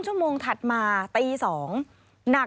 สวัสดีค่ะสวัสดีค่ะ